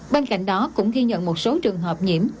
bên cạnh đó cũng ghi nhận một số trường hợp nhiễm